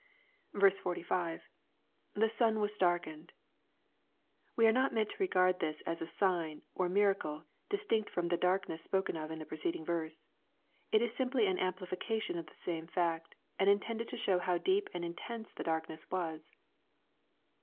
45. — [The sun was darkened.'] We are not meant to regard this as a sign, or miracle, distinct from the darkness spoken of in the pce ceding verse. It is simply an amplification of the same fact, and intended to show how deep and intense the darkness was.